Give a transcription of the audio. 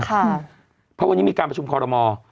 เพราะวันนี้มีการประชุมคอรมอล์